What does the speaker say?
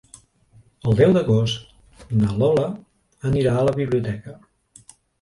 El deu d'agost na Lola anirà a la biblioteca.